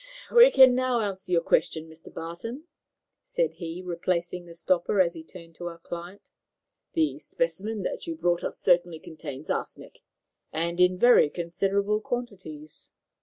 "We can now answer your question, Mr. Barton," said he, replacing the stopper as he turned to our client. "The specimen that you brought us certainly contains arsenic, and in very considerable quantities."